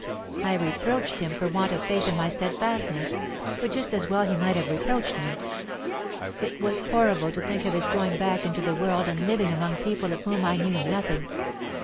I reproached him for want of faith in my steadfastness; but just as well he might have reproached me. It was horrible to think of his going back into the world and living among people of whom I knew nothing.